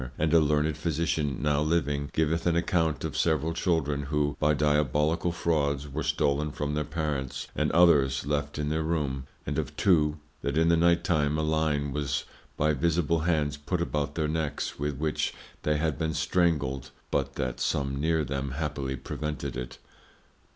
And a learned Physician now living, giveth an account of several Children, who by Diabolical Frauds were stollen from their Parents, and others left in their room: And of two, that in the night time a Line was by invisible Hands put about their Necks, with which they had been strangled, but that some near them happily prevented it.